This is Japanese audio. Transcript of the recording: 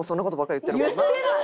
言ってない！